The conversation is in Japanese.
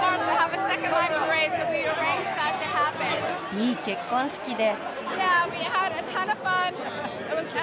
いい結婚式で。